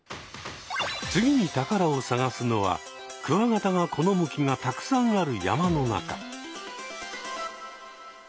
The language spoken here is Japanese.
次に宝を探すのはクワガタが好む木がたくさんある山の中。